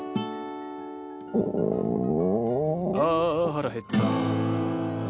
「ああ腹へった」